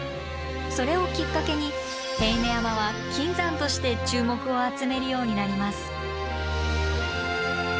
それをきっかけに手稲山は金山として注目を集めるようになります。